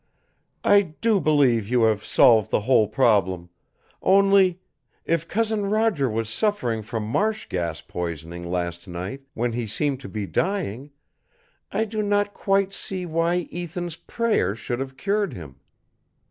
"I do believe you have solved the whole problem. Only, if Cousin Roger was suffering from marsh gas poisoning last night when he seemed to be dying, I do not quite see why Ethan's prayer should have cured him."